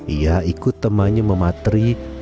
ia ikut temannya memateri mencari makanan dan memotong kakek abas